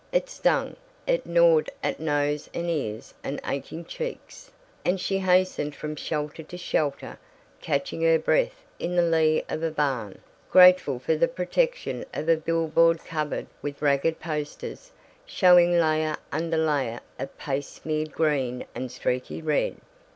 It stung, it gnawed at nose and ears and aching cheeks, and she hastened from shelter to shelter, catching her breath in the lee of a barn, grateful for the protection of a billboard covered with ragged posters showing layer under layer of paste smeared green and streaky red.